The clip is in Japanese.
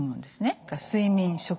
それから睡眠食欲